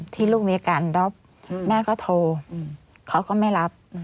ลูกมีอาการด๊อบแม่ก็โทรเขาก็ไม่รับ